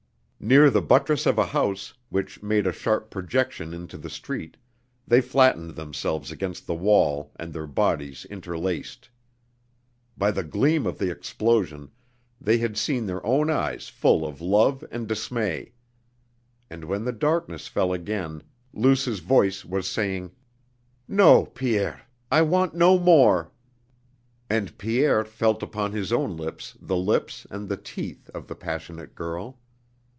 Near the buttress of a house which made a sharp projection into the street they flattened themselves against the wall and their bodies interlaced. By the gleam of the explosion they had seen their own eyes full of love and dismay. And when the darkness fell again Luce's voice was saying: "No, Pierre. I want no more." And Pierre felt upon his own lips the lips and the teeth of the passionate girl.